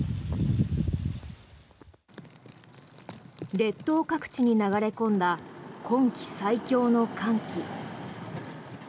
列島各地に流れ込んだ今季最強の寒気。